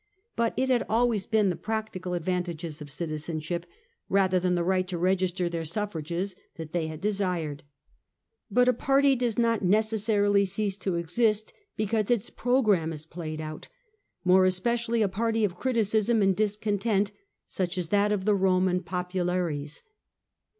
But it had always been the practical advantages of citizenship rather than the right to register their suffrages that they had desired. But a party does not necessarily cease to exist because its programme is played out, more especially a party of criticism and discontent, such as that of the Roman SULPICIUS AND MARIUS COMBINE 113 populares.